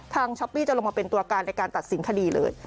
ช้อปปี้จะลงมาเป็นตัวการในการตัดสินคดีเลย